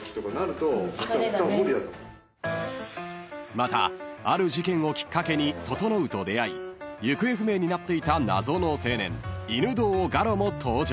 ［またある事件をきっかけに整と出会い行方不明になっていた謎の青年犬堂我路も登場］